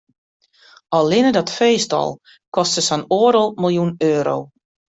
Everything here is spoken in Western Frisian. Allinne dat feest al koste sa'n oardel miljoen euro.